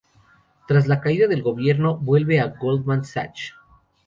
Tras la caída del gobierno, vuelve a Goldman Sachs.